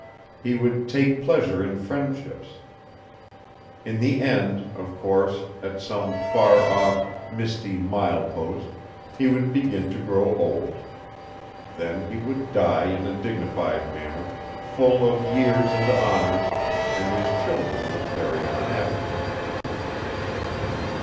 He would take pleasure in friendships. In the end, of course, at some far off, misty mile post, he would begin to grow old. Then he would die in a dignified manner, full of years and honors, and his children would carry on after him.